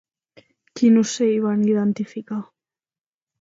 Quin ocell van identificar?